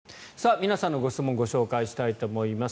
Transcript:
皆さんのご質問ご紹介したいと思います。